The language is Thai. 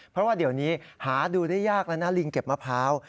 เพราะว่าเดี๋ยวนี้หาดูได้ยากแล้วนะลิงเก็บมะพร้าว